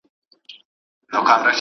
په خپل جنت کي سره دوخونه .